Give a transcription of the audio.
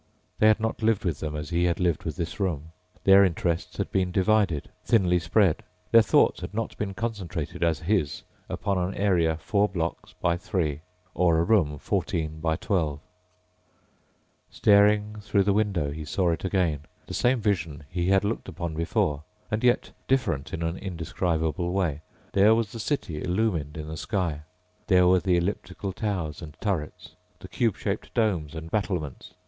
They had not lived with them as he had lived with this room. Their interests had been divided, thinly spread; their thoughts had not been concentrated as his upon an area four blocks by three, or a room fourteen by twelve. Staring through the window, he saw it again. The same vision he had looked upon before and yet different in an indescribable way. There was the city illumined in the sky. There were the elliptical towers and turrets, the cube shaped domes and battlements.